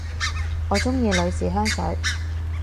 我鍾意女士香水